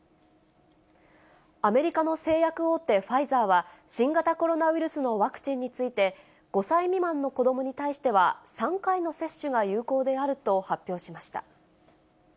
アメリカの製薬大手、ファイザーは、新型コロナウイルスのワクチンについて、５歳未満の子どもに対しては３回の接種が有効であると発表しました。